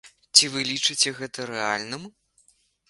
Ці вы лічыце гэта рэальным?